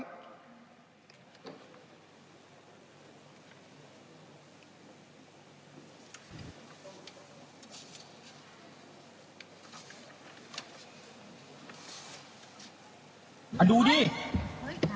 เอาดูดิ